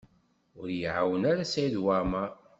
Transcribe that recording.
Ur y-iɛawen ara Saɛid Waɛmaṛ.